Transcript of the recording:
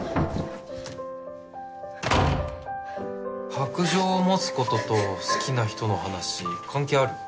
白杖を持つことと好きな人の話関係あるの？